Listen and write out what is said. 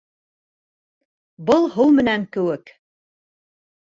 Был һыу менән кеүек.